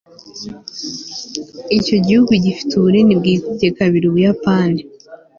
Icyo gihugu gifite ubunini bwikubye kabiri Ubuyapani